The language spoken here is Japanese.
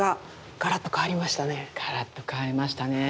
ガラッと変わりましたねえ。